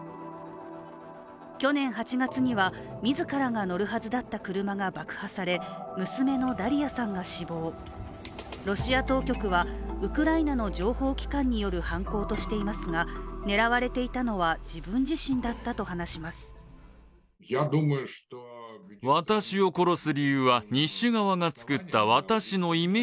去年８月には自らが乗るはずだった車が爆破され、娘のダリヤさんが死亡、ロシア当局はウクライナの情報機関による犯行としていますが狙われていたのは自分自身だったと話します。